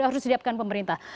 harus disiapkan pemerintah